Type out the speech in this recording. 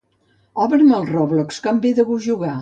Obre'm el "Roblox" que em ve de gust jugar.